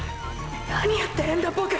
何やってるんだボク！！